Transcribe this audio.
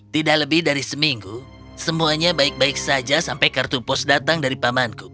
tidak lebih dari seminggu semuanya baik baik saja sampai kartu pos datang dari pamanku